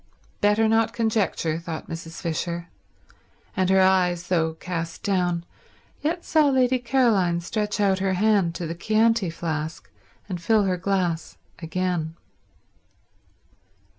Better not conjecture, thought Mrs. Fisher; and her eyes, though cast down, yet saw Lady Caroline stretch out her hand to the Chianti flask and fill her glass again.